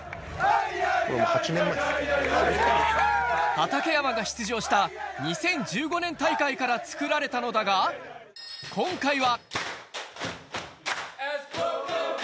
畠山が出場した２０１５年大会から作られたのだが、今回は。